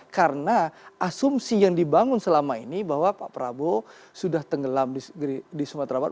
karena asumsi yang dibangun selama ini bahwa pak prabowo sudah tenggelam di sumatera barat